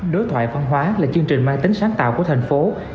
đối thoại văn hóa là chương trình mang tính sáng tạo của tp hcm